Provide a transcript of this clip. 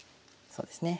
そうですね。